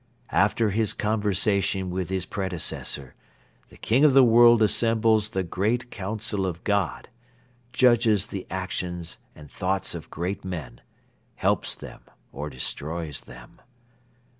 "After his conversation with his predecessor the King of the World assembles the 'Great Council of God,' judges the actions and thoughts of great men, helps them or destroys them.